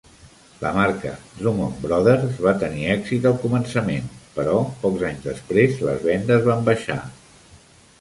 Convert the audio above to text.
La marca Drummond Brothers va tenir èxit al començament, però pocs anys després les vendes van baixar.